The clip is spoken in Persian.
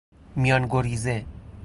میانگریزه